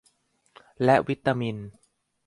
และวิตามิน